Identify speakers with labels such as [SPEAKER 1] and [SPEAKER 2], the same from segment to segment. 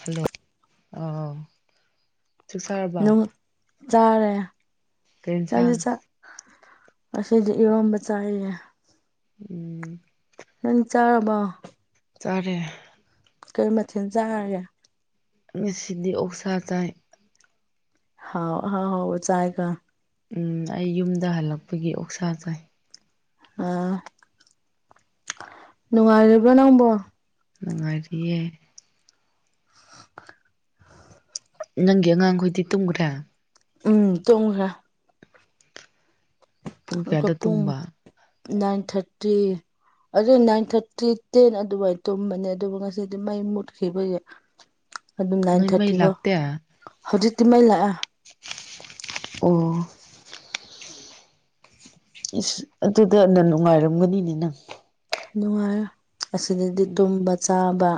[SPEAKER 1] hello ꯑ ꯆꯛ ꯆꯥꯔꯕ
[SPEAKER 2] ꯅꯨꯡ ꯆꯥꯔꯦ
[SPEAKER 1] ꯀꯦꯟ ꯁꯥꯡ
[SPEAKER 2] ꯑꯁꯤꯁꯦ ꯏꯔꯣꯝꯕ ꯆꯏꯦ
[SPEAKER 1] ꯎꯝ
[SPEAKER 2] ꯅ ꯆꯥꯔꯔꯕ
[SPEAKER 1] ꯆꯔꯦ
[SPEAKER 2] ꯀꯩ ꯃꯊꯦꯜ ꯆꯥꯔꯒꯦ
[SPEAKER 1] ꯑ ꯁꯤꯗꯤ ꯑꯣꯁꯥ ꯇꯥꯏ
[SPEAKER 2] ꯍꯥꯎ ꯍꯥꯎ ꯍꯥꯎ ꯑꯣ ꯆꯥꯏ ꯀ
[SPEAKER 1] ꯎ ꯑꯩ ꯌꯨꯝꯗ ꯍꯜꯂꯛꯄꯒꯤ ꯑꯣꯛꯁꯥ ꯆꯥꯏ
[SPEAKER 2] ꯑ ꯅꯨꯡꯉꯔꯔꯤꯕ꯭ꯔꯣ ꯅꯪꯕꯣ
[SPEAKER 1] ꯑꯅꯨꯡꯉꯔꯤꯌꯦꯦ ꯅꯪꯒꯤ ꯑꯉꯥꯡꯈꯣꯏꯗꯤ ꯇꯨꯝꯈ꯭ꯔꯦ
[SPEAKER 2] ꯎꯝ ꯇꯣꯡꯉ꯭ꯔꯦ
[SPEAKER 1] ꯄꯨꯡ ꯀꯦꯗ
[SPEAKER 2] ꯄꯨꯡ
[SPEAKER 1] ꯇꯕ
[SPEAKER 2] ꯅꯥꯏꯟ ꯊꯥꯔꯇꯤ ꯑꯗꯨ ꯅꯥꯏꯟ ꯊꯥꯔꯇꯤ ꯇꯦꯟ ꯑꯗꯨꯃꯥꯏꯅ ꯇꯨꯝꯕꯅꯦ ꯑꯗꯨꯕꯨ ꯉꯁꯤꯗꯤ ꯃꯩ ꯃꯨꯠꯈꯤꯕꯁꯦ ꯑꯗꯨꯝ ꯅꯥꯏꯟ
[SPEAKER 1] ꯅꯣꯏ ꯃꯩ
[SPEAKER 2] ꯊꯥꯔꯇꯤ ꯐꯣ
[SPEAKER 1] ꯂꯥꯛꯇꯦ
[SPEAKER 2] ꯍꯧꯖꯤꯛꯇꯤ ꯃꯩ ꯂꯥꯛꯑ
[SPEAKER 1] ꯑꯣ ꯏꯁꯁ ꯑꯗꯨꯗꯅ ꯅꯨꯡꯉꯥꯏꯔꯝꯒꯅꯤꯅꯦ ꯅꯪ
[SPEAKER 2] ꯅꯨꯡꯉꯥꯏꯔ ꯑꯁꯤꯗꯗꯤ ꯇꯨꯝꯕ ꯆꯥꯕ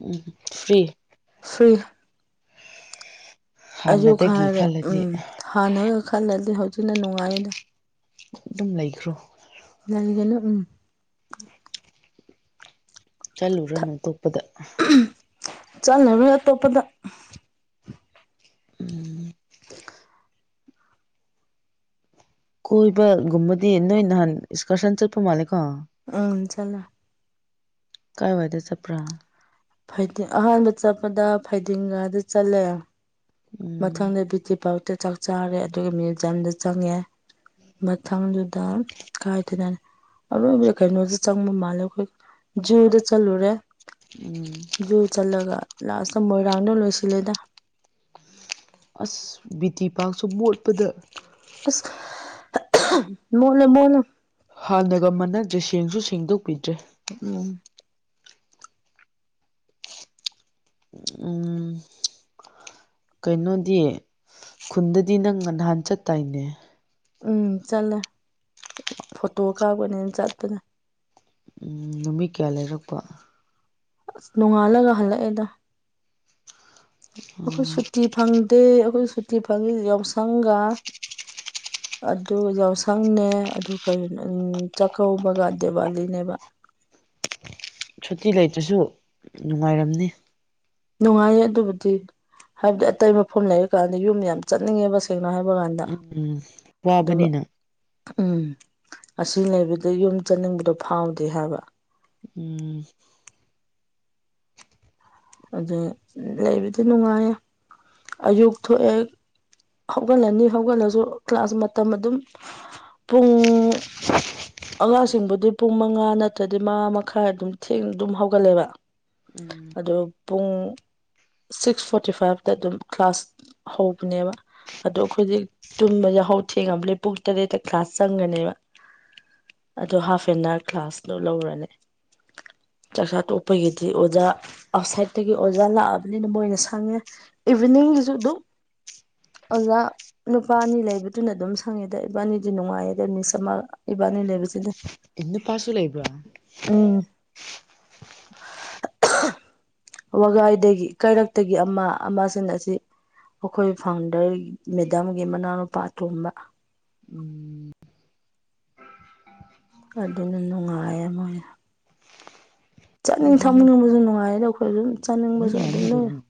[SPEAKER 1] ꯎꯝ ꯐ꯭ꯔꯤ
[SPEAKER 2] ꯐ꯭ꯔꯤ ꯑꯩꯁꯨ
[SPEAKER 1] ꯍꯥꯟꯅꯗꯒꯤ
[SPEAKER 2] ꯈꯔꯦ
[SPEAKER 1] ꯈꯜꯂꯗꯤ
[SPEAKER 2] ꯎꯝ ꯍꯥꯟꯅꯒ ꯈꯜꯂꯗꯤ ꯍꯧꯖꯤꯛꯅ ꯅꯨꯡꯉꯥꯏꯗ
[SPEAKER 1] ꯑꯗꯨꯝ ꯂꯩꯈ꯭ꯔꯣ
[SPEAKER 2] ꯂꯩꯒꯦꯅ ꯎꯝ
[SPEAKER 1] ꯎꯝ ꯆꯠꯂꯨꯨꯔꯅꯨ ꯇꯣꯞꯄꯗ
[SPEAKER 2] ꯆꯠꯂꯔꯣꯏ ꯑꯇꯣꯞꯄꯗ
[SPEAKER 1] ꯎꯝ
[SPEAKER 2] ꯊ
[SPEAKER 1] ꯀꯣꯏꯕꯒꯨꯝꯕꯗꯤ ꯅꯣꯏ ꯅꯍꯥꯟ ꯏꯁꯀꯔꯁꯟ ꯆꯠꯄ ꯃꯥꯜꯂ
[SPEAKER 2] ꯎꯝ ꯆꯂ
[SPEAKER 1] ꯀꯥꯏ ꯋꯥꯏꯗ ꯆꯄ꯭ꯔꯥ
[SPEAKER 2] ꯐꯥꯏꯇꯤꯡ ꯑꯍꯥꯟꯕ ꯆꯠꯄꯗ ꯐꯥꯏꯗꯤꯤꯡꯒꯗ ꯆꯠꯂꯦ
[SPEAKER 1] ꯎꯝ
[SPEAKER 2] ꯃꯊꯪꯗ ꯕꯌꯨꯇꯤ ꯄꯥꯔꯛꯇ ꯆꯥꯛ ꯆꯥꯔꯦ ꯑꯗꯨꯒ ꯃ꯭ꯌꯨꯖꯤꯌꯝꯗ ꯆꯪꯉꯦ ꯃꯊꯖꯗꯥ ꯀꯇꯅꯅ ꯑꯔꯣꯏꯕꯗ ꯀꯩꯅꯣꯗ ꯆꯪꯕ ꯃꯥꯜꯂꯦ ꯑꯩꯈꯣꯏ ꯖꯨꯗ ꯆꯠꯂꯨꯔꯦ
[SPEAKER 1] ꯎꯝ
[SPEAKER 2] ꯖꯨ ꯆꯠꯂꯒ ꯂꯥꯁꯇ ꯃꯣꯏꯔꯥꯡꯗꯣ ꯂꯣꯏꯁꯤꯜꯂꯦꯗ
[SPEAKER 1] ꯑꯁ ꯕꯤ ꯇꯤ ꯄꯥꯛꯔꯁꯨ ꯃꯣꯠꯄꯗ
[SPEAKER 2] ꯑꯁ ꯃꯣꯂꯣꯣꯂꯣ
[SPEAKER 1] ꯍꯥꯟꯅꯒ ꯃꯅꯗ꯭ꯔꯦꯁꯦꯡꯁꯨ ꯁꯦꯡꯗꯣꯛꯄꯤꯗ꯭ꯔꯦ
[SPEAKER 2] ꯎꯝ
[SPEAKER 1] ꯎꯝ ꯀꯩꯅꯣꯗꯤ ꯈꯨꯟꯗꯗꯤ ꯅꯪꯅ ꯅꯍꯥꯟ ꯆꯠꯇꯥꯏꯅꯦ
[SPEAKER 2] ꯎꯝ ꯆꯠꯂꯦ ꯐꯣꯇꯣ ꯀꯥꯞꯄꯅꯤꯅ ꯆꯠꯄꯅꯦ
[SPEAKER 1] ꯎꯝ ꯅꯨꯃꯤꯠ ꯀꯌꯥ ꯂꯩꯔꯛꯄ
[SPEAKER 2] ꯑꯁ ꯅꯣꯡꯉꯥꯜꯂꯒ ꯍꯜꯂꯛꯑꯦꯗ ꯑꯩꯈꯣꯏ
[SPEAKER 1] ꯎꯝ
[SPEAKER 2] ꯁꯨꯇꯤ ꯐꯪꯗꯦ ꯑꯩꯈꯣꯏ ꯁꯨꯇꯤ ꯐꯪꯉꯦ ꯌꯥꯎꯁꯪꯒ [inaudible] ꯑꯗꯨ ꯌꯥꯎꯁꯪꯅꯦ ꯑꯗꯨ ꯀꯩꯅ ꯆꯥꯛꯀꯧꯕꯒ ꯗꯦꯋꯥꯂꯤꯅꯦꯕ [inaudible]
[SPEAKER 1] ꯁꯨꯇꯤ ꯂꯩꯇ꯭ꯔꯁꯨ ꯅꯨꯡꯉꯥꯏꯔꯝꯅꯤ
[SPEAKER 2] ꯅꯨꯡꯉꯥꯏꯌꯦ ꯑꯗꯨꯕꯨꯗꯤ ꯍꯥꯏꯕꯗꯤ ꯑꯇꯩ ꯃꯐꯝ ꯂꯩꯔꯀꯥꯟꯗ ꯌꯨꯝꯗ ꯌꯥꯝ ꯆꯠꯅꯤꯡꯉꯦꯕꯁꯦꯡ ꯣ ꯍꯥꯏꯕ ꯀꯥꯟꯗ
[SPEAKER 1] ꯎꯝ
[SPEAKER 2] ꯑꯗꯨꯒ
[SPEAKER 1] ꯋꯥꯕꯅꯤꯅ
[SPEAKER 2] ꯎꯝ ꯑꯁꯤ ꯂꯩꯕꯗ ꯌꯨꯝ ꯆꯠꯅꯤꯡꯕꯗꯣ ꯐꯥꯎꯗꯦ ꯍꯥꯏꯕ
[SPEAKER 1] ꯎꯝ
[SPEAKER 2] ꯑꯗꯨ ꯂꯩꯕꯗꯤ ꯅꯨꯡꯉꯥꯏꯌꯦ ꯑꯌꯨꯛ ꯊꯣꯛꯑꯦ ꯍꯧꯒꯠꯂꯅꯤ ꯍꯧꯒꯠꯂꯁꯨ ꯀ꯭ꯂꯥꯁ ꯃꯇꯝ ꯑꯗꯨꯝ ꯄꯨꯡ ꯑꯉꯥꯡꯁꯤꯡꯕꯨꯗꯤ ꯄꯨꯡ ꯃꯉꯥ ꯅꯠꯇ꯭ꯔꯗꯤ ꯃꯉꯥ ꯃꯈꯥꯏ ꯑꯗꯨꯝ ꯊꯦꯡꯅ ꯑꯗꯨꯝ ꯍꯧꯒꯠꯂꯦꯕ ꯑꯗꯣ ꯄꯨꯡ ꯁꯤꯛꯁ ꯐꯣꯔꯇꯤ ꯐꯥꯏꯚꯇ ꯑꯗꯨꯝ ꯀ꯭ꯂꯥꯁ ꯍꯧꯕꯅꯦꯕ ꯑꯗꯣ ꯍꯧꯖꯤꯛ ꯇꯨꯝꯕ ꯌꯥ ꯍꯧ ꯊꯦꯡꯉꯕ ꯂꯩ ꯄꯨꯡ ꯇꯔꯦꯠꯇ ꯀ꯭ꯂꯥꯁ ꯆꯪꯒꯅꯦꯕ ꯑ ꯍꯥꯐ ꯑꯦꯟ ꯑꯋꯥꯔ ꯀ꯭ꯂꯥꯁꯗꯣ ꯂꯧꯔꯅꯤ ꯆꯥꯛꯆꯥ ꯇꯣꯛꯄꯒꯤꯗꯤ ꯑꯣꯖꯥ ꯑꯥꯎꯠꯁꯥꯏꯗꯠꯇꯒꯤ ꯑꯣꯖꯥ ꯂꯥꯛꯑꯕꯅꯤꯅ ꯃꯣꯏꯅ ꯁꯪꯉꯦ ꯏꯚꯅꯤꯡ ꯖꯤꯗ ꯑꯣꯖꯥ ꯅꯨꯄꯥꯅꯤ ꯂꯩꯕꯗꯨꯅ ꯑꯗꯨꯝ ꯁꯪꯉꯦꯗ ꯏꯕꯥꯅꯤꯗꯤ ꯅꯨꯡꯉꯥꯏꯌꯦꯗ ꯃꯤꯁꯃ ꯏꯕꯥꯅꯤ ꯂꯩꯕ ꯍꯧꯁꯤꯗ
[SPEAKER 1] ꯏ ꯄꯁꯨ ꯂꯩ ꯂꯩꯕ
[SPEAKER 2] [unintelligible] ꯋꯥꯒꯥꯏꯗꯒꯤ ꯀꯩꯔꯛꯇꯒꯤ ꯑꯃ ꯑꯃꯁꯤꯡ ꯑꯁꯤ ꯑꯩꯈꯣꯏ ꯐꯥꯎꯟꯗꯔ ꯃꯦꯗꯥꯝꯒꯤ ꯃꯅꯥꯎꯅꯨꯄꯥ ꯇꯣꯝꯕ
[SPEAKER 1] ꯎꯝ
[SPEAKER 2] ꯑꯗꯨꯅ ꯅꯨꯡꯉꯌꯥ ꯃ ꯆꯥꯅꯤꯡ ꯊꯛꯅꯤꯡꯅꯤꯡꯕꯁꯨ ꯅꯨꯡꯉꯥꯏꯔꯗꯣ ꯑꯩꯈꯣꯏꯁꯨꯝ ꯆꯥꯅꯤꯡꯕꯁꯨ
[SPEAKER 1] ꯑꯗꯨꯗꯤ ꯅꯣꯏ ꯃꯤ
[SPEAKER 2] ꯑꯗꯨꯝ
[SPEAKER 1] ꯌꯥꯝꯃꯤ
[SPEAKER 2] ꯂꯩꯔꯦ
[SPEAKER 1] ꯀꯩꯅꯣ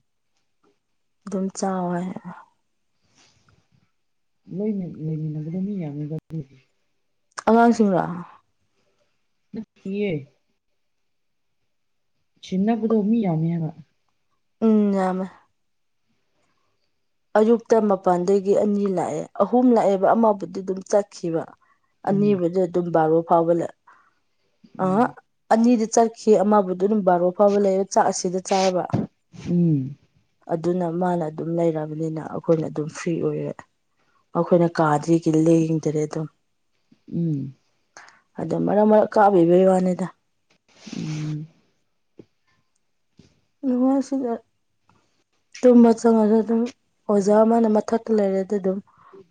[SPEAKER 2] ꯑꯗꯨꯝ ꯆꯥꯎꯥꯋꯦ
[SPEAKER 1] ꯂꯣꯏꯅ ꯂꯩꯃꯤꯟꯅꯕꯗꯣ ꯃꯤ ꯌꯥꯝꯃꯤꯕ
[SPEAKER 2] ꯑꯃꯥꯡꯁꯤꯥ
[SPEAKER 1] ꯌꯦ ꯁꯤꯅꯥꯕꯨꯗ ꯎꯃꯤ ꯌꯥꯅꯤꯕ
[SPEAKER 2] ꯎꯝꯃ ꯑꯌꯨꯛꯇ ꯃꯄꯥꯟꯗꯒꯤ ꯑꯅꯤ ꯂꯥꯛꯑꯦ ꯑꯍꯨꯝ ꯂꯥꯛꯑꯦꯕ ꯑꯃꯕꯨꯗꯤ ꯑꯗꯨꯝ ꯆꯠꯈꯤꯕ
[SPEAKER 1] ꯎꯝ
[SPEAKER 2] ꯑꯅꯤꯕꯗꯤ ꯑꯗꯨꯝ ꯕꯥꯔꯣ ꯐꯥꯎꯕꯂ ꯑ
[SPEAKER 1] ꯎꯝ
[SPEAKER 2] ꯑꯅꯤꯗ ꯆꯠꯈꯤ ꯑꯃꯕꯨꯗꯤ ꯑꯗꯨꯝ ꯕꯥꯔꯣ ꯐꯥꯎꯕ ꯂꯩꯔ ꯆꯥꯛ ꯑꯁꯤꯗ ꯆꯥꯏꯕ
[SPEAKER 1] ꯎꯝ
[SPEAKER 2] ꯑꯗꯨꯅ ꯃꯥꯅ ꯑꯗꯨꯝ ꯂꯩꯔꯝ ꯕꯅꯤꯅ ꯑꯩꯈꯣꯏꯅ ꯑꯗꯨꯝ ꯐ꯭ꯔꯤ ꯑꯣꯏꯔꯦ ꯑꯩꯈꯣꯏꯅ ꯀꯥꯗ꯭ꯔꯤꯒꯤ ꯂꯦꯡꯗ꯭ꯔꯦ ꯑꯗꯨꯝ
[SPEAKER 1] ꯎꯝ
[SPEAKER 2] ꯑꯗꯨꯣ ꯃꯔꯛ ꯃꯔꯛ ꯀꯥꯞꯕꯤꯕꯩ ꯋꯥꯅꯤꯗ
[SPEAKER 1] ꯎꯝ
[SPEAKER 2] ꯉꯁꯤꯗ ꯇꯨꯝꯕ ꯆꯪꯉꯒ ꯑꯗꯨꯝ ꯑꯣꯖꯥ ꯑꯃꯅ ꯃꯊꯛ ꯂꯩꯔꯦ ꯑꯗꯨ ꯑꯗꯨꯝ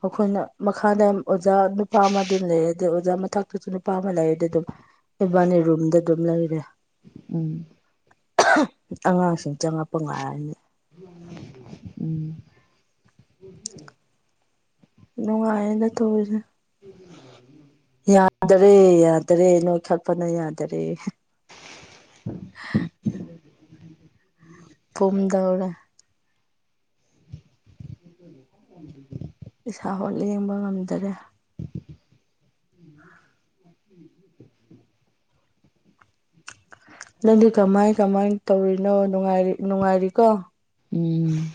[SPEAKER 2] ꯑꯩꯈꯣꯏꯅ ꯃꯈꯥꯗ ꯑꯣꯖꯥ ꯅꯨꯄꯥ ꯑꯃ ꯑꯗꯨꯝ ꯂꯩꯔꯦꯗꯤ ꯑꯣꯖꯥ ꯃꯊꯇꯁꯨ ꯅꯨꯄꯥ ꯑꯃ ꯂꯩꯔꯗꯤ ꯑꯗꯨꯝ ꯏꯕꯥꯅꯤ ꯔꯨꯝꯗ ꯑꯗꯨꯝ ꯂꯩꯔꯦ
[SPEAKER 1] ꯎꯝ
[SPEAKER 2] ꯑꯉꯥꯡꯁꯤꯡ ꯆꯪꯉꯛꯄ ꯉꯥꯏꯔꯅꯤ
[SPEAKER 1] ꯎꯝ
[SPEAKER 2] ꯅꯅꯨꯡꯉꯌꯦꯗ ꯊꯖ
[SPEAKER 1] ꯎ
[SPEAKER 2] ꯌꯥꯗꯔꯦ ꯌꯥꯗꯔꯦ ꯅꯣꯏ ꯈꯜꯄꯅ ꯌꯥꯗꯔꯦ
[SPEAKER 1] [unintelligible]
[SPEAKER 2] ꯄꯨꯝꯗꯧꯔꯦ
[SPEAKER 1] [unintelligible]
[SPEAKER 2] ꯏꯁꯥ ꯍꯣꯠ ꯂꯦꯡꯕ ꯉꯝꯗꯔꯦ
[SPEAKER 1] ꯎꯝ
[SPEAKER 2] ꯅꯪꯗꯤ ꯀꯃꯥꯏ ꯀꯃꯥꯏ ꯇꯧꯔꯤꯅꯣꯔꯤ ꯅꯨꯡꯉꯥꯏꯔꯤꯀꯣ
[SPEAKER 1] ꯎꯝ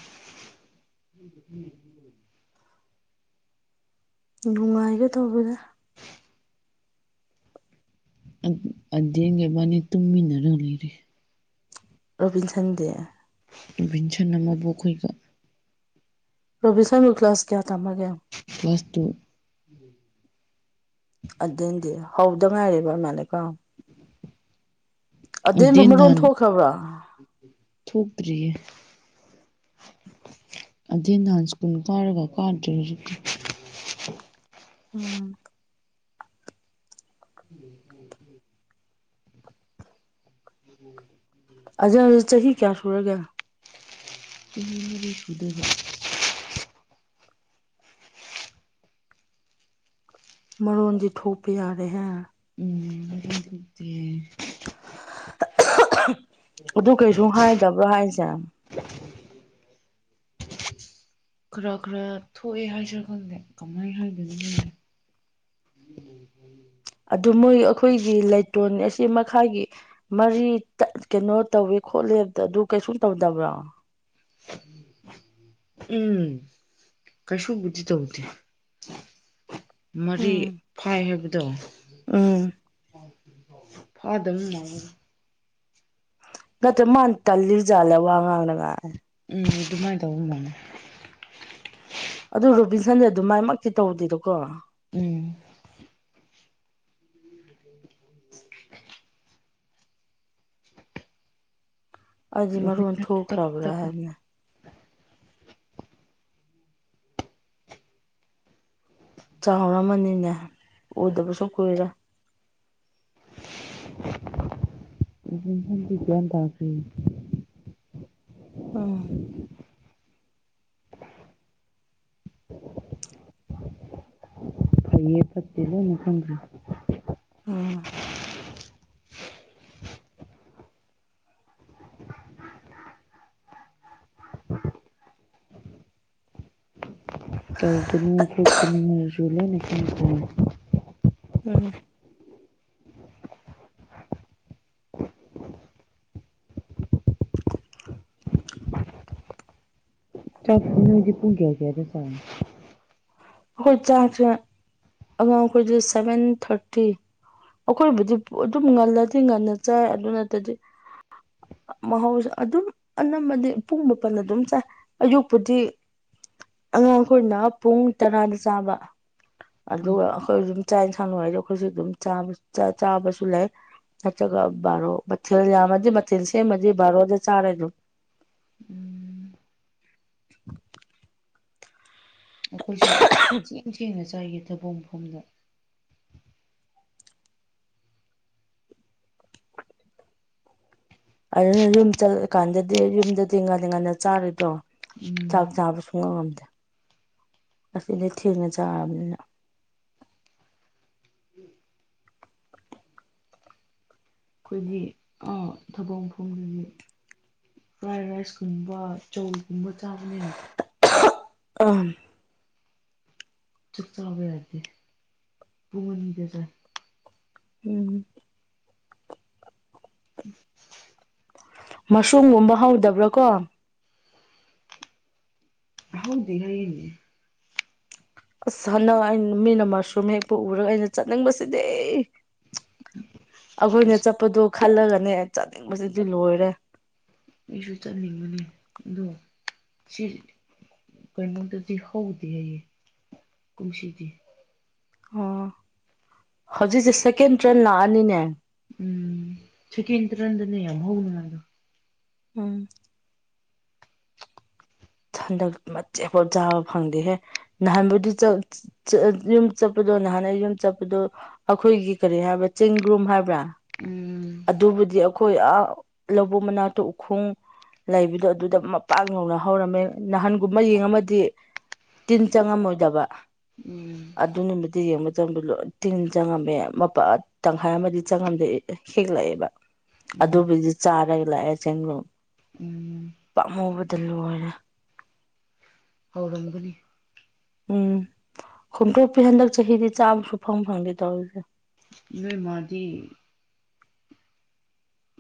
[SPEAKER 2] ꯅꯨꯡꯉꯥꯏꯒ ꯇꯧꯕꯗ
[SPEAKER 1] ꯑꯗꯨꯦꯡꯒꯕꯥꯅꯤ ꯇꯨꯝꯃꯤꯟꯅꯔꯒ ꯂꯩꯔꯦ
[SPEAKER 2] ꯔꯕꯤꯟ ꯁꯟꯗꯦꯌꯥ
[SPEAKER 1] ꯏꯕꯤꯟ ꯁꯅ ꯑꯃꯕꯨꯣꯛꯈꯣꯏꯒꯣ
[SPEAKER 2] ꯔꯣꯕꯤ ꯁꯃꯤ ꯀ꯭ꯂꯥꯁ ꯀꯌꯥ ꯇꯝꯃꯒꯦ
[SPEAKER 1] ꯄ꯭ꯂꯥꯁ ꯇꯨ
[SPEAKER 2] ꯑꯗꯨꯗꯤ ꯍꯧꯗ ꯉꯥꯏꯔꯦꯕ ꯑꯗꯨ ꯃꯥꯜꯂꯀꯣ
[SPEAKER 1] [unintelligible]
[SPEAKER 2] ꯑꯦꯝꯕ
[SPEAKER 1] ꯑꯗꯦꯟ
[SPEAKER 2] ꯃꯔꯣꯟ
[SPEAKER 1] ꯅꯍꯥꯟ
[SPEAKER 2] ꯊꯣꯛꯈ꯭ꯔꯕ꯭ꯔꯥ
[SPEAKER 1] ꯊꯣꯛꯇ꯭ꯔꯤꯌꯦ ꯑꯗꯨꯗ ꯅꯥꯟ ꯁꯀꯨꯟ ꯀꯥꯔꯒ ꯀꯥꯗꯦ
[SPEAKER 2] ꯎꯝ
[SPEAKER 1] ꯎꯝ
[SPEAKER 2] ꯑꯖ ꯆꯍꯤ ꯆꯍꯤ ꯀꯌꯥ ꯁꯨꯔꯒ
[SPEAKER 1] ꯆꯥꯍꯤ ꯃꯔꯤꯁꯨꯗꯕ
[SPEAKER 2] ꯃꯅꯣꯟꯖꯤ ꯊꯣꯄ ꯌꯥꯔꯦ ꯍꯥꯏ
[SPEAKER 1] ꯎꯝꯛꯇ [unintelligible]
[SPEAKER 2] ꯑꯗꯨ ꯀꯩꯁꯨ ꯍꯥꯏꯗꯕ꯭ꯔꯣ ꯍꯥꯏꯁꯦ
[SPEAKER 1] ꯈꯔ ꯈꯔ ꯊꯣꯛꯑꯦ ꯍꯥꯏꯁ ꯈꯜꯂꯦ ꯀꯃꯥꯏꯅ ꯍꯥꯏꯒꯣꯏꯅꯣ ꯈꯦ
[SPEAKER 2] [unintelligible] ꯑꯗꯨ ꯃꯣꯏ ꯑꯩꯈꯣꯏꯒꯤ ꯂꯩꯇꯣꯟ ꯑꯁꯤ ꯃꯈꯥꯒꯤ ꯃꯔꯤ ꯀꯩꯅꯣ ꯇꯧꯋꯣ ꯈꯣꯠꯂꯦꯕꯇ ꯑꯗꯨ ꯀꯩꯁꯨꯝ ꯇꯧꯗꯕ꯭ꯔꯣ
[SPEAKER 1] ꯎꯝ ꯀꯩꯁꯨꯕꯨꯗꯤ ꯇꯧꯗꯤꯦ ꯃꯔꯤ
[SPEAKER 2] ꯎꯝ
[SPEAKER 1] ꯐꯥꯏ ꯍꯥꯏꯕꯗꯣ
[SPEAKER 2] ꯎꯝ
[SPEAKER 1] ꯐꯥꯗ
[SPEAKER 2] ꯉꯇ ꯃꯥꯟ ꯇꯥꯜꯂꯤꯖꯂ ꯋꯥ ꯉꯡꯅꯥꯉꯥꯏ
[SPEAKER 1] ꯎꯝ ꯑꯗꯨꯃꯥꯏꯅ ꯇꯧꯕꯒꯕꯅꯦ
[SPEAKER 2] ꯑꯗꯨ ꯔꯨꯕꯤꯟꯁꯟꯗꯤꯦ ꯑꯗꯨ ꯃꯥꯏꯃꯛꯇꯤ ꯇꯧꯗꯦꯗꯀꯣ
[SPEAKER 1] ꯎꯝ
[SPEAKER 2] ꯑꯖꯤ ꯃ ꯔꯣꯟ
[SPEAKER 1] ꯔꯣꯕꯤꯟꯁꯟ
[SPEAKER 2] ꯊꯣꯛ
[SPEAKER 1] ꯇꯞꯇꯤ
[SPEAKER 2] ꯈꯔꯕꯔ ꯍꯥꯏ
[SPEAKER 1] ꯇꯞꯄꯅꯦ
[SPEAKER 2] ꯃ ꯆꯥꯎꯔꯝꯃꯅꯤꯅꯦ ꯎꯗꯕꯁꯨ ꯀꯨꯏꯔꯦ
[SPEAKER 1] ꯍꯗꯤ ꯭ꯌꯥꯟ ꯇꯥꯈ꯭ꯦ [unintelligible]
[SPEAKER 2] ꯎ
[SPEAKER 1] ꯑꯌꯦ ꯄꯠꯇ ꯃꯗ
[SPEAKER 2] ꯎꯝ
[SPEAKER 1] ꯂ [unintelligible]
[SPEAKER 2] ꯎꯝ
[SPEAKER 1] ꯆꯥꯄꯤꯅ ꯍꯧꯖꯤ ꯄꯨꯨꯡꯒꯌꯥ ꯀꯌꯥꯗ ꯁꯥꯡ
[SPEAKER 2] ꯍꯧꯈꯣꯏ ꯆꯥ ꯑꯉ ꯁꯕꯦꯟ ꯊꯥꯔꯇꯤ ꯑꯩꯈꯣꯏꯕꯨꯗꯤ ꯑꯗꯨꯝ ꯉꯜꯂꯗꯤ ꯉꯟꯅ ꯆꯥꯏ ꯑꯗꯨ ꯅꯠꯇꯗꯤ ꯃꯍꯧꯁꯦ ꯑꯗꯨꯝ ꯑꯅꯝꯕꯗꯤ ꯄꯨꯡ ꯃꯥꯄꯜ ꯑꯗꯨꯝ ꯆꯥꯏ ꯑꯌꯨꯛꯄꯨꯗꯤ ꯑꯉꯥꯡꯈꯣꯏꯅ ꯄꯨꯡ ꯇꯔꯥꯗ ꯆꯥꯕ
[SPEAKER 1] ꯎꯝ
[SPEAKER 2] ꯑꯗꯨꯒ ꯑꯩꯈꯣꯏꯁꯨꯝ ꯆꯥꯛ ꯌꯦꯟꯁꯥꯡꯅꯅꯨꯡꯁꯨ ꯑꯩꯈꯣꯏꯁꯨ ꯑꯗꯨꯝ ꯆꯥꯕꯁꯨ ꯂꯩ ꯅꯆꯒ ꯕꯥꯔꯣ ꯃꯊꯦꯜ ꯌꯥꯝꯃꯗꯤ ꯃꯊꯦꯜ ꯁꯦꯝꯃꯗꯤ ꯕꯥꯔꯣꯗ ꯆꯥꯔꯦꯁꯨ [inaudible]
[SPEAKER 1] ꯎꯝ ꯑꯩꯈꯣꯏꯁꯨ ꯊꯦꯡ ꯊꯦꯡꯅ ꯆꯥꯏꯈꯤ ꯊꯕꯛ ꯃꯐꯝꯗ
[SPEAKER 2] ꯑꯗꯨꯅ ꯌꯨꯝ ꯆꯠꯂꯀꯥꯟꯗꯗꯤ ꯌꯨꯝꯗꯗꯤ ꯉꯥꯟꯟꯅ ꯉꯟꯅ ꯆꯥꯔꯣꯏꯗ꯭ꯔꯣ
[SPEAKER 1] ꯎꯝ
[SPEAKER 2] ꯆꯥꯛ ꯆꯥꯕ ꯁꯨꯉꯗ ꯑꯁ ꯂꯩ ꯊꯤꯅ ꯆꯥꯝꯅꯤꯅ
[SPEAKER 1] ꯑꯩꯈꯣꯏꯒꯤ ꯊꯕꯛ ꯃꯐꯝꯗꯗꯤ ꯐ꯭ꯔꯥꯏ ꯔꯥꯏꯁ ꯀꯨꯝꯕ ꯆꯧꯒꯨꯝꯕ ꯆꯥꯕꯅꯤꯅ
[SPEAKER 2] ꯑ
[SPEAKER 1] ꯆ ꯆꯕ ꯍꯥꯏꯗꯤ ꯄꯃꯅꯤꯗꯦ ꯇ
[SPEAKER 2] ꯎꯝ
[SPEAKER 1] ꯎ [unintelligible]
[SPEAKER 2] ꯃꯁꯨꯝꯒꯨꯝꯕ ꯍꯧꯗꯕ꯭ꯔꯥ ꯀꯣ
[SPEAKER 1] ꯍꯥꯎꯗꯤ ꯍꯥꯏꯅꯦ
[SPEAKER 2] ꯑꯁ ꯍꯅ ꯑ ꯃꯤꯅ ꯃꯁꯔꯨꯝ ꯍꯦꯛ ꯄꯨ ꯎꯔꯒ ꯑꯩꯅ ꯆꯠꯅꯤꯡꯕꯁꯤꯗꯤ ꯑꯩꯈꯣꯏꯅ
[SPEAKER 1] ꯑꯁ
[SPEAKER 2] ꯆꯠꯄꯗꯣ ꯈꯜꯂꯒꯅꯦ ꯆꯠꯅꯤꯡꯕꯕꯁꯤꯗꯤ ꯂꯣꯏꯔꯦ
[SPEAKER 1] ꯑꯩꯁꯨ ꯆꯠꯅꯤꯡꯕꯅꯦ ꯑꯗꯣ ꯁꯤ ꯀꯩꯅꯩꯅꯣ ꯇꯁꯤꯗꯤ ꯍꯗ ꯍꯥꯏ ꯈꯨꯨꯁꯤꯗꯤ
[SPEAKER 2] ꯑꯣ ꯍꯧꯖꯤꯛꯁꯦ ꯁꯦꯀꯦꯟ ꯇ꯭ꯔꯦꯟ ꯂꯥꯛꯑꯅꯤꯅꯦ
[SPEAKER 1] ꯎꯝ ꯆꯀꯤꯇ꯭ꯔꯗꯅꯦ ꯌꯥꯝ ꯍꯅ ꯃꯥꯒ
[SPEAKER 2] ꯎꯝ ꯍꯟꯗꯛ ꯃꯆꯦꯠ ꯄꯣꯠ ꯆꯥꯕ ꯐꯪꯗꯦꯍꯦ ꯅꯍꯥꯟꯕꯨꯗꯤ ꯌꯨꯝ ꯆꯠꯄꯗꯣ ꯅꯍꯥꯟꯅ ꯌꯨꯝ ꯆꯠꯄꯗꯨꯣ ꯑꯩꯈꯣꯏꯒꯤ ꯀꯔꯤ ꯍꯥꯏꯕ꯭ꯔꯥ ꯆꯤꯡꯒ꯭ꯔꯨꯝ ꯍꯥꯏꯕ꯭ꯔꯥ
[SPEAKER 1] ꯎꯝ
[SPEAKER 2] ꯑꯗꯨꯕꯨꯗꯤ ꯑꯩꯈꯣꯏ ꯑ ꯂꯧꯕꯨ ꯃꯅꯥꯛꯇ ꯎꯈꯣꯡ ꯂꯩꯕꯗꯣ ꯑꯗꯨꯗ ꯃꯄꯥꯛ ꯌꯧꯅ ꯍꯧꯔꯝꯃꯦ ꯅꯍꯥꯟꯒꯨꯝꯕ ꯌꯦꯡꯉꯝꯃꯗꯤ ꯇꯤꯟ ꯆꯪꯉꯝꯃꯣꯏꯗꯕ
[SPEAKER 1] ꯎꯝ
[SPEAKER 2] ꯑꯗꯨ ꯅꯨꯃꯤꯗꯤ ꯌꯦꯡꯕ ꯃꯇꯝꯗꯣ ꯂꯣꯏ ꯇꯤꯟ ꯆꯪꯉꯝꯃꯦ ꯃꯄꯥ ꯇꯪꯈꯥꯏ ꯑꯃꯗꯤ ꯆꯪꯉꯝꯗꯦ ꯍꯤꯂꯛꯑꯦꯕ
[SPEAKER 1] ꯎꯝ
[SPEAKER 2] ꯑꯗꯨꯕꯨꯗꯤ ꯆꯥꯔ ꯍꯂꯛꯑꯦ ꯆꯦꯡꯂꯣꯡ
[SPEAKER 1] ꯎꯝ
[SPEAKER 2] ꯄꯥꯛꯍꯨꯕꯗ ꯂꯣꯏꯔꯦ
[SPEAKER 1] ꯍꯧꯥꯎꯔꯝꯒꯅꯤ
[SPEAKER 2] ꯎꯝ ꯈꯣꯡꯇ꯭ꯔꯨꯄꯤ ꯍꯟꯗꯛ ꯆꯍꯤꯗꯤ ꯆꯥꯝꯃ ꯁꯨ ꯐꯪ ꯐꯪꯗꯦ ꯇꯧꯔꯤꯁꯦ
[SPEAKER 1] ꯏꯣꯏ ꯃꯥꯗꯤ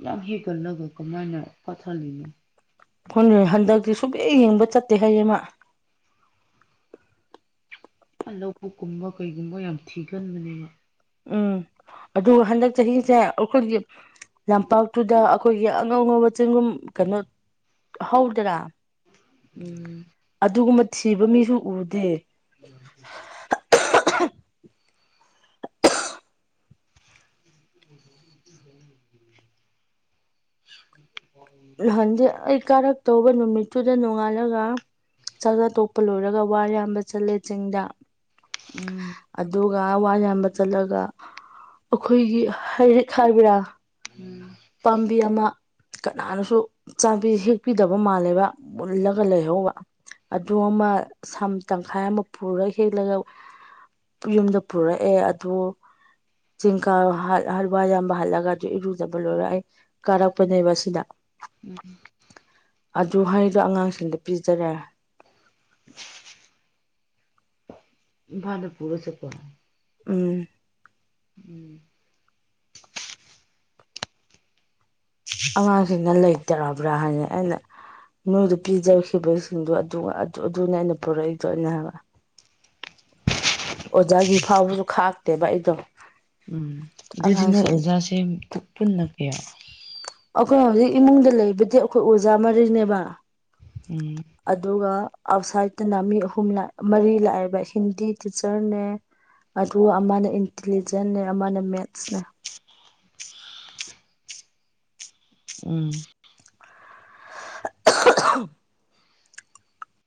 [SPEAKER 1] ꯌꯥꯝ ꯍꯦꯟꯒꯠꯂꯒ ꯀꯃꯥꯏꯅ ꯀꯊꯜꯂꯤꯅꯣ
[SPEAKER 2] ꯑꯩꯈꯣꯏ ꯍꯟꯗꯛꯇꯤ ꯁꯨꯐꯦꯛ ꯌꯦꯡꯕ ꯆꯠꯇꯦ ꯍꯥꯏꯌꯦꯡꯃ
[SPEAKER 1] ꯑ ꯂꯧꯕꯨꯛ ꯀꯨꯝꯕ ꯀꯩꯒꯨꯝꯕ ꯌꯥꯝ ꯊꯤꯒꯟꯕꯅꯦꯕ
[SPEAKER 2] ꯎꯝ ꯑꯗꯨꯒ ꯍꯟꯗꯛ ꯆꯍꯤꯁꯦ ꯑꯩꯈꯣꯏꯒꯤ ꯂꯝꯄꯥꯛꯇꯨꯗ ꯑꯩꯈꯣꯏꯒꯤ ꯑꯉꯧ ꯑꯉꯧꯕ ꯆꯦꯡꯒꯨꯝ ꯀꯩꯅꯣ ꯍꯧꯗꯔꯥ
[SPEAKER 1] ꯎꯝ
[SPEAKER 2] ꯁꯤꯕ ꯃꯤꯁꯨ ꯎꯗꯦ
[SPEAKER 1] ꯎ [inaudible]
[SPEAKER 2] ꯍꯟꯗꯤ ꯑꯩ ꯀꯥꯔꯛꯇꯧꯕ ꯅꯨꯃꯤꯠꯇꯨꯗ ꯅꯣꯡꯉꯥꯜꯂꯒ ꯆꯥꯛ ꯆꯥ ꯇꯣꯛꯄ ꯂꯣꯏꯔꯒ ꯋꯥ ꯌꯥꯝꯕ ꯆꯠꯂꯦ ꯆꯤꯡꯗ
[SPEAKER 1] ꯎꯝ
[SPEAKER 2] ꯑꯗꯨꯒ ꯋꯥ ꯌꯥꯝꯕ ꯆꯠꯂꯒ ꯑꯩꯈꯣꯏꯒꯤ ꯍꯥꯏꯔꯤꯛ ꯍꯥꯏꯕꯔꯥ ꯄꯥꯝꯕꯤ ꯑꯃ ꯀꯅꯥꯅꯁꯨ ꯆꯥꯕꯤ ꯍꯦꯛꯄꯤꯗꯕ ꯃꯥꯜꯂꯦꯕ ꯃꯨꯜꯂꯒ ꯂꯩꯍꯧꯕ ꯑꯗꯨ ꯑꯃ ꯁꯝ ꯇꯪꯈꯥꯏ ꯑꯃ ꯄꯨꯔꯒ ꯍꯦꯛꯂꯒ ꯌꯨꯝꯗ ꯄꯨꯔꯛꯑꯦ ꯑꯗꯨ ꯆꯤꯡꯀ ꯍꯜ ꯍꯜꯋꯥꯏ ꯌꯥꯝꯝꯕ ꯍꯜꯂꯒ ꯑꯗꯨ ꯏꯔꯖ ꯂꯣꯏ ꯑꯩ ꯀꯥꯔꯛꯄꯅꯦꯕ ꯁꯤꯗ ꯑꯗꯨ ꯍꯥꯏ ꯑꯗꯣ ꯑꯉꯥꯡꯁꯤꯡꯗ ꯄꯤꯖꯔꯔꯦ
[SPEAKER 1] ꯐꯗ ꯄꯨꯔꯣꯁꯦ ꯀ
[SPEAKER 2] ꯎꯝ
[SPEAKER 1] ꯎꯝ
[SPEAKER 2] ꯑꯉꯥꯡꯁꯤꯡꯅ ꯂꯩꯇꯔꯕ꯭ꯔꯥ ꯍꯥꯏꯅ ꯑꯩꯅ ꯅꯣꯏꯗ ꯄꯤꯖꯈꯤꯕꯁꯤꯡꯗꯣ ꯑꯗꯨꯅꯦ ꯑꯩꯅ ꯄꯨꯔꯛꯏꯗꯣ ꯑꯩꯅ ꯍꯥꯏꯕ ꯑꯣꯖꯥꯒꯤ ꯐꯥꯎꯕꯁꯨ ꯈꯥꯛꯇꯦꯕ ꯑꯩꯗꯣ
[SPEAKER 1] ꯎꯝ ꯑꯗꯨꯗꯤꯅꯣ
[SPEAKER 2] ꯑꯉꯥꯡꯁꯤꯡ
[SPEAKER 1] ꯑꯣꯖꯥꯁꯦ ꯄꯨꯟꯅ ꯀꯌꯥ
[SPEAKER 2] ꯑꯩꯈꯣꯏꯅ ꯍꯧꯖꯤꯛ ꯏꯃꯨꯡꯗ ꯂꯩꯕꯗꯤ ꯑꯩꯈꯣꯏ ꯑꯣꯖꯥ ꯃꯔꯤꯅꯦꯕ
[SPEAKER 1] ꯎꯝ
[SPEAKER 2] ꯑꯗꯨꯒ ꯑꯥꯎꯠꯁꯥꯏꯠꯇꯅ ꯃꯤ ꯑꯍꯨꯝ ꯃꯔꯤ ꯂꯥꯛꯑꯦꯕ ꯍꯤꯟꯗꯤ ꯇꯤꯆꯔꯅꯦ ꯑꯗꯨꯒ ꯑꯃꯅ ꯏꯟꯇꯤꯂꯤꯖꯦꯟꯅꯦ ꯑꯃꯅ ꯃꯦꯠꯁꯅꯦ
[SPEAKER 1] ꯎꯝ
[SPEAKER 2] [inaudible]